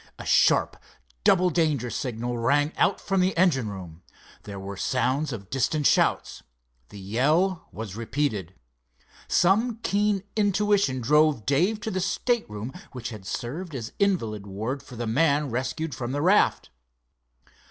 A sharp, double danger signal rang out from the engine room. There were sounds of distant shouts. The yell was repeated. Some keen intuition drove Dave to the stateroom which had served as invalid ward for the man rescued from the raft.